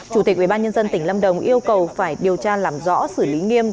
chủ tịch ubnd tỉnh lâm đồng yêu cầu phải điều tra làm rõ xử lý nghiêm